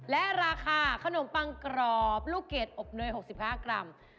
และราคาขนมปังกรอบลูกเกดอบเนย๖๕กรัม